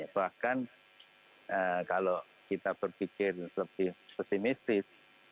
bahkan kalau kita berpikir lebih pesimistis